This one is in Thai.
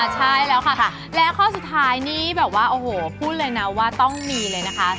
ใช่แล้วค่ะแล้วข้อสุดท้ายนี่แบบว่าโอ้โหพูดเลยนะว่าต้องมีเลยนะคะ